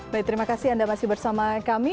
baik terima kasih anda masih bersama kami